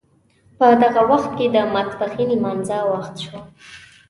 په دغه وخت کې د ماپښین لمانځه وخت شو.